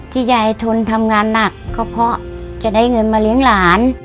ยายทนทำงานหนักก็เพราะจะได้เงินมาเลี้ยงหลาน